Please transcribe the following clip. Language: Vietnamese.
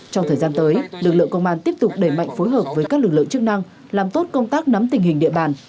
trong thời gian tới lực lượng công an tiếp tục đẩy mạnh phối hợp với các lực lượng chức năng làm tốt công tác nắm tình hình địa bàn